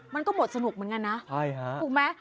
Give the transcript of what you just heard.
มันก็หมดสนุกเหมือนกันนะถูกไหม